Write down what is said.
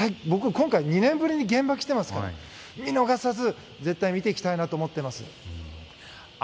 僕、今回は２年ぶりに現場に来てますから見逃さず、絶対見ていきたいなと思っています。